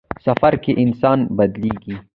سفر کې انسان بدلېږي.